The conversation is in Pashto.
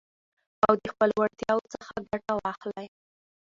او د خپلو وړتياوو څخه ګټه واخلٸ.